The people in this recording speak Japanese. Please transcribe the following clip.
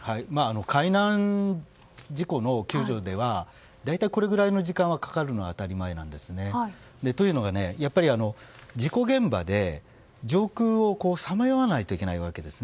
海難事故の救助では大体、これぐらいの時間がかかるのが当たり前なんですね。というのは、やっぱり事故現場で上空をさまよわないといけないわけです。